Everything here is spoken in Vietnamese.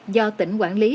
do tỉnh quản lý